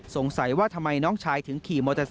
สงสัยว่าทำไมน้องชายถึงขี่มอเตอร์ไซ